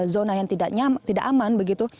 zona yang tidak aman begitu